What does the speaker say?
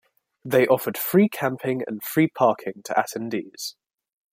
They offered free camping and free parking to attendees.